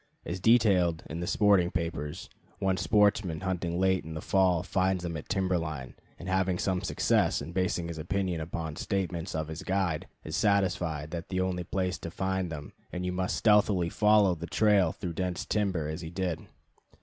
As detailed in the sporting papers, one sportsman hunting late in the fall finds them at the timber line, and having some success and basing his opinion upon statements of his guide, is satisfied that is the only place to find them, and that you must stealthily follow the trail through dense timber, as he did.